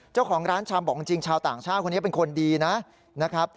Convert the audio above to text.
เจ้าของร้านชำบอกจริงชาวต่างชาติคนนี้เป็นคนดีนะครับ